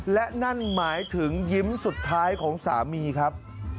และนั่นหมายถึงยิ้มสุดท้ายของสามีครับ